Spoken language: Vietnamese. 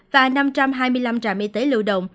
và năm trăm hai mươi năm trạm y tế lưu động